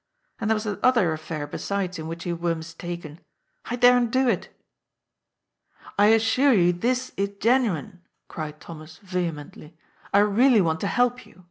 And there was that other affair, besides, in which you were mistaken. I daren't do it." " I assure you this is genuine," cried Thomas vehement ly. " I really want to help you.